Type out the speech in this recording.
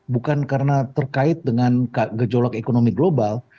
bukan karena terkait dengan gejolak ekonomi global